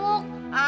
ah gak usah